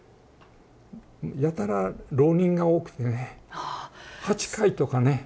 やたら浪人が多くてね８回とかね。